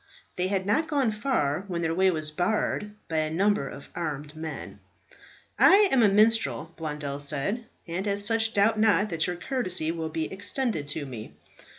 They had not gone far when their way was barred by a number of armed men. "I am a minstrel," Blondel said, "and as such doubt not that your courtesy will be extended to me."